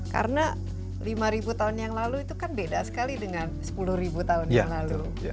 karena lima tahun yang lalu itu kan beda sekali dengan sepuluh tahun yang lalu